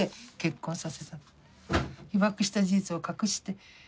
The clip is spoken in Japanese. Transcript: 被爆した事実を隠して。